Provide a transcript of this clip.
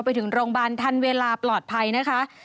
ไปถึงโรงพยาบาลทันเวลาปลอดภัยนะคะ